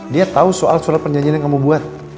dia tahu soal surat perjanjian yang kamu buat